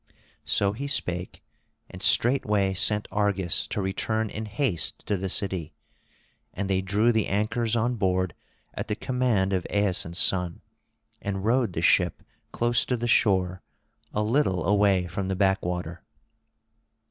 So he spake, and straightway sent Argus to return in haste to the city; and they drew the anchors on board at the command of Aeson's son, and rowed the ship close to the shore, a little away from the back water.